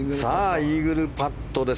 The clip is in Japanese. イーグルパットです。